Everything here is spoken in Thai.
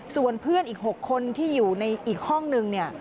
ส่วนเพื่อนอีก๖คนที่อยู่ในอีกห้องนึงเนี่ย